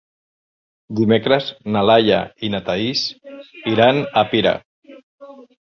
Dimecres na Laia i na Thaís iran a Pira.